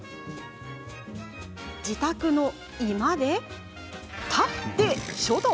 自宅の居間で立って書道？